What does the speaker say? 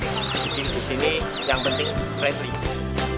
jadi di sini yang penting friendly